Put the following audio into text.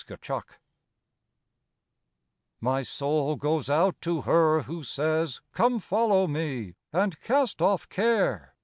ELUSION I My soul goes out to her who says, "Come follow me and cast off care!"